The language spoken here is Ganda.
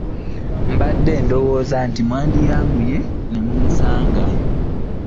Mbadde ndowooza nti mwandyanguye ne mumusanga.